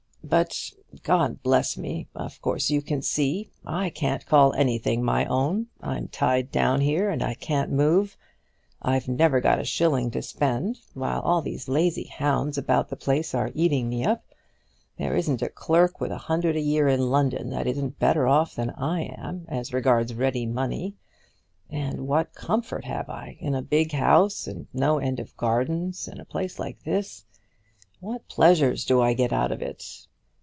But God bless me, of course you can see. I can't call anything my own. I'm tied down here and I can't move. I've never got a shilling to spend, while all these lazy hounds about the place are eating me up. There isn't a clerk with a hundred a year in London that isn't better off than I am as regards ready money. And what comfort have I in a big house, and no end of gardens, and a place like this? What pleasures do I get out of it?